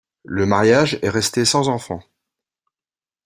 Le mariage est resté sans enfant.